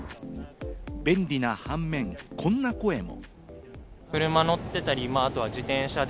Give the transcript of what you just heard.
便利な反面、こんな声も。